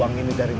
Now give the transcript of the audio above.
uang ini dari mana